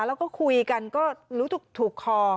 แล้วก็คุยกันก็รู้ถูกคอ